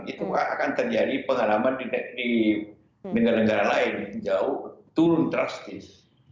itu akan terjadi pengalaman di negara negara lain jauh turun drastis